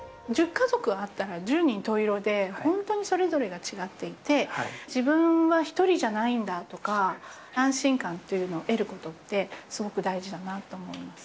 １０家族あったら十人十色で、本当にそれぞれが違っていて、自分は一人じゃないんだとか、安心感というのを得ることって、すごく大事だなと思います。